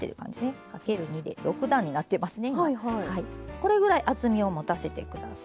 これぐらい厚みをもたせて下さい。